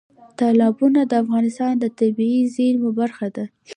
تالابونه د افغانستان د طبیعي زیرمو برخه ده.